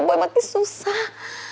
boy makin susah